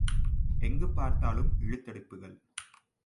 எங்குப் பார்த்தாலும் இழுத் தடிப்புகள்!